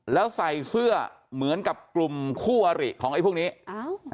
แล้วใส่เสื้อเหมือนกับกลุ่มคู่อริของไอ้พวกนี้อ้าว